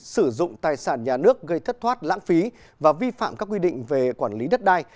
sử dụng tài sản nhà nước gây thất thoát lãng phí và vi phạm các quy định về quản lý đất đai